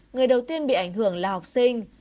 người đầu tiên bị ảnh hưởng là học sinh